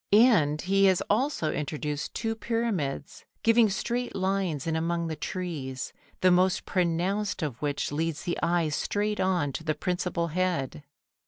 And he has also introduced two pyramids, giving straight lines in among the trees, the most pronounced of which leads the eye straight on to the principal head.